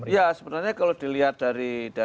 ya sebenarnya kalau dilihat dari